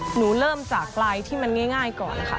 หนูเริ่มจากลายที่มันง่ายก่อนค่ะ